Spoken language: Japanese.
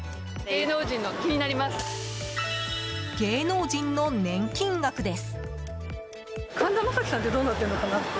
芸能人の年金額です。